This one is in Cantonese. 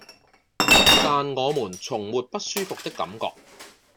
但我們從沒不舒服的感覺